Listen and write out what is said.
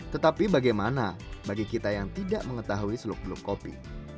tetapi bagaimana bagi kita yang tidak mengetahui seluk beluk kopi